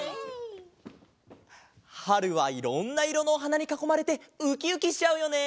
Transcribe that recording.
はるはいろんないろのおはなにかこまれてウキウキしちゃうよね。